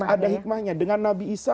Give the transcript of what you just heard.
ada hikmahnya dengan nabi isa